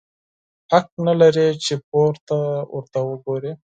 حق نه لرې چي پورته ورته وګورې!